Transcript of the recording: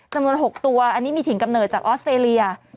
จำนวน๖ตัวอันนี้มีถิ่นกำเนิดจากออสเตรเลีย